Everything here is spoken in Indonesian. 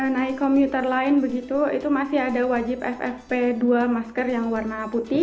naik komuter lain begitu itu masih ada wajib ffp dua masker yang warna putih